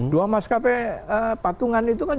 dua maskapai patungan itu kan